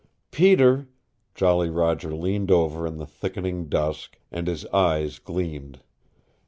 "Peter " Jolly Roger leaned over in the thickening dusk, and his eyes gleamed.